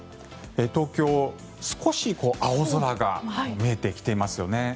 東京、少し青空が見えてきていますよね。